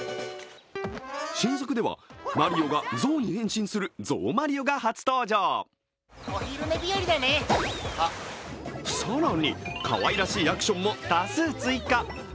新作では、マリオがゾウに変身するゾウマリオが初登場更にかわいらしいアクションも多数追加。